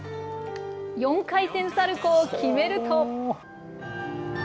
４回転サルコーを決めると。